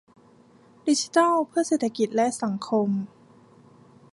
ดิจิทัลเพื่อเศรษฐกิจและสังคม